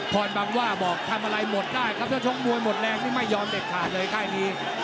พรบังวะบอกทำอะไรหมดก็ได้ครับเจ้าท้องมวยหมดแรงไม่ยอมเด็กขาดเลยแค่นี้